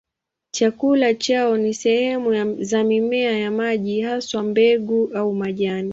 Chakula chao ni sehemu za mimea ya maji, haswa mbegu na majani.